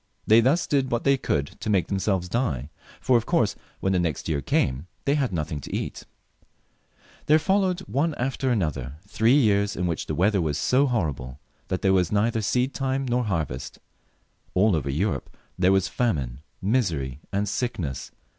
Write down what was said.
They thus did what they could to make themselves die, for of course when the next year came, they had nothing to eat. 62 HENRY L [CH. There followed one after another three years in which the weather was so horrible that there was neither seed time nor harvest. All over 'Europe there was famine, misery, and sickness.